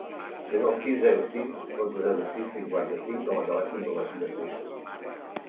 Desa el sis, zero, sis, onze, zero, sis, cinquanta-cinc com a telèfon de la Kira Freixa.